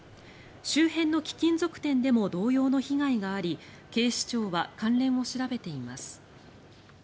周辺の貴金属店でも同様の被害があり警視庁は関連を調べています。